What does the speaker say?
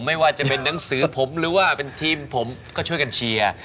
ไม่ว่าจะเป็นหนังสือผมหรือว่าเป็นทีมผมก็ช่วยกันเชียร์